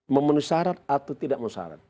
memenuhi syarat atau tidak memenuhi syarat